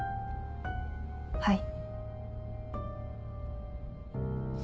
はい。